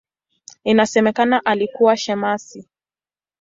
Inasemekana alikuwa shemasi.